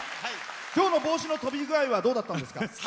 今日の帽子の飛び具合はどうだったんですか？